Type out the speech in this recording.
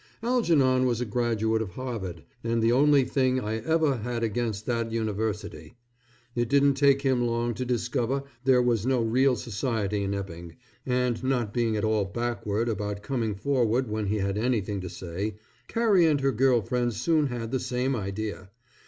Algernon was a graduate of Harvard, and the only thing I ever had against that university. It didn't take him long to discover there was no real society in Epping, and not being at all backward about coming forward when he had anything to say, Carrie and her girl friends soon had the same idea.